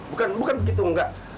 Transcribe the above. bukan bukan begitu enggak